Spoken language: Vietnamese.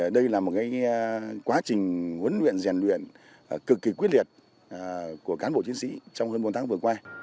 đây là một quá trình huấn luyện giàn luyện cực kỳ quyết liệt của cán bộ chiến sĩ trong hơn bốn tháng vừa qua